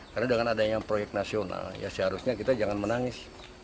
karena dengan adanya proyek nasional seharusnya kita jangan menangis